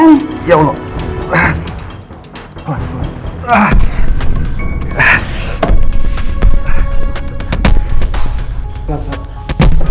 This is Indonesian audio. bentar bentar pelan pelan pelan